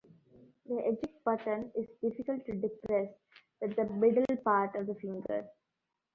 The eject button is difficult to depress with the middle part of the finger.